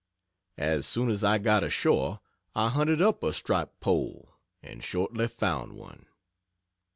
As soon as I got ashore I hunted up a striped pole, and shortly found one.